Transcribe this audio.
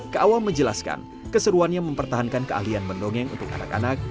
kaawal menjelaskan keseruannya mempertahankan keahlian mendongeng untuk anak anak